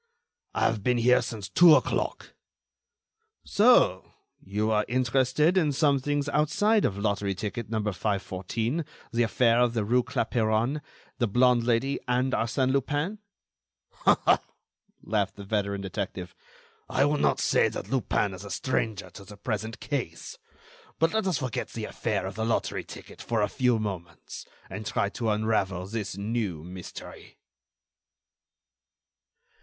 "I have been here since two o'clock." "So you are interested in some things outside of lottery ticket number 514, the affair of the rue Clapeyron, the blonde lady and Arsène Lupin?" "Ha ha!" laughed the veteran detective. "I would not say that Lupin is a stranger to the present case. But let us forget the affair of the lottery ticket for a few moments, and try to unravel this new mystery."